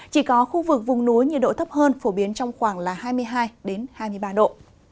chỉ có khu vực vùng núi nhiệt độ thấp hơn phổ biến trong khoảng là hai mươi hai hai mươi ba độ